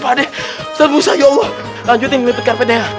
ustadz ustadz ya allah lanjutin ngelipet karpetnya ya